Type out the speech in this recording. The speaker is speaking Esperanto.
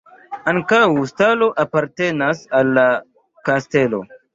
Ankaŭ stalo apartenas al la kastelo.